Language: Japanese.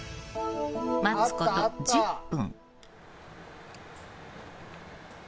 待つこと１０分。